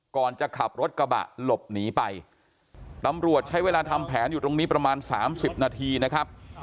ก่อนจะขับรถกระบะหลบหนีไปตำรวจใช้เวลาทำแผนอยู่ตรงนี้ประมาณสามสิบนาทีนะครับ